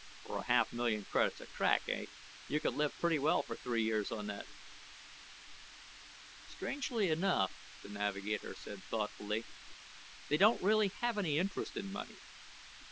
"For a half million credits a crack, eh? You could live pretty well for three years on that." "Strangely enough," the navigator said thoughtfully, "they don't really have any interest in money.